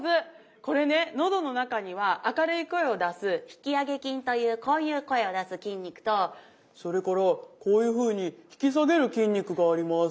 これね喉の中には明るい声を出す引き上げ筋というこういう声を出す筋肉とそれからこういうふうに引き下げる筋肉があります。